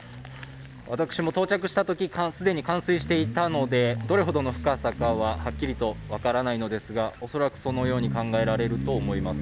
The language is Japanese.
私も到着したとき既に冠水していたので、どれほどの深さかははっきりと分からないのですが恐らくこのように考えられると思います。